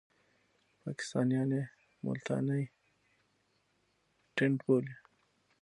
پاکستانیان یې ملتانی ټېنټ بولي.